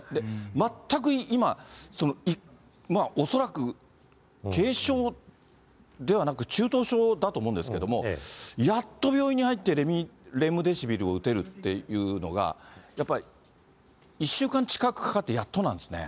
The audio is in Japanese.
全く今、恐らく軽症ではなく、中等症だと思うんですけども、やっと病院に入ってレムデシビルを打てるというのが、やっぱり１週間近くかかって、やっとなんですね。